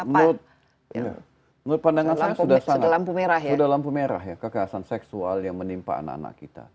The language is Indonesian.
menurut pandangan saya sudah lampu merah ya kekerasan seksual yang menimpa anak anak kita